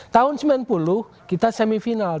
tahun sembilan puluh kita semifinal